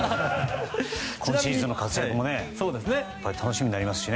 今シーズンの活躍も楽しみになりますし